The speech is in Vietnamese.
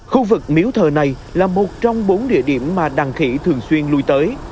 khu vực miếu thờ này là một trong bốn địa điểm mà đằng khỉ thường xuyên lui tới